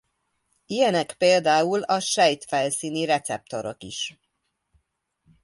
Ilyenek például a sejtfelszíni receptorok is.